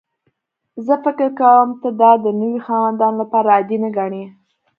زه فکر کوم ته دا د نوي خاوندانو لپاره عادي نه ګڼې